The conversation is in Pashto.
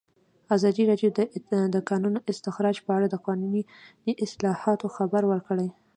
ازادي راډیو د د کانونو استخراج په اړه د قانوني اصلاحاتو خبر ورکړی.